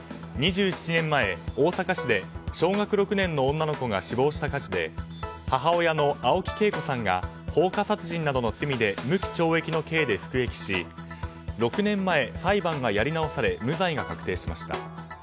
２７年前、大阪市で小学６年の女の子が死亡した火事で母親の青木恵子さんが放火殺人などの罪で無期懲役の刑で服役し６年前、裁判がやり直され無罪が確定しました。